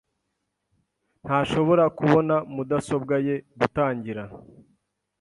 ntashobora kubona mudasobwa ye gutangira.